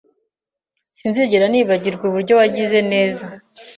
Sinzigera nibagirwa uburyo wagize neza